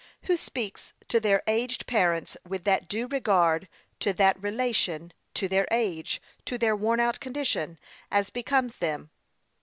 who speaks to their aged parents with that due regard to that relation, to their age, to their worn out condition, as becomes them?